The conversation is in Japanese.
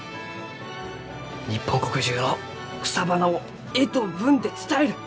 日本国中の草花を絵と文で伝える！